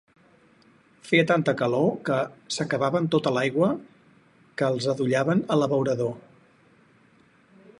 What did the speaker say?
Feia tanta calor que s'acabaven tota l'aigua que els adollaven a l'abeurador.